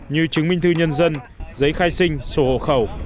như chứng minh thư nhân dân giấy khai sinh sổ hộ khẩu